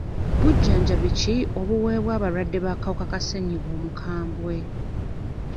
Bujjanjabi ki obuweebwa abalwadde b'akawuka ka ssenyiga omukambwe?